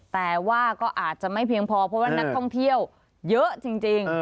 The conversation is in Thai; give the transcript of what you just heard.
แต่ว่าก็อาจจะไม่เพียงพอเพราะว่านักท่องเที่ยวเยอะจริง